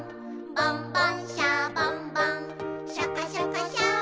「ボンボン・シャボン・ボンシャカシャカ・シャボン・ボン」